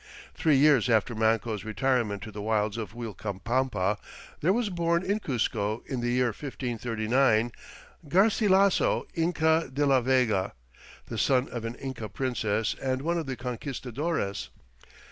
Three years after Manco's retirement to the wilds of Uilcapampa there was born in Cuzco in the year 1539, Garcilasso Inca de la Vega, the son of an Inca princess and one of the conquistadores.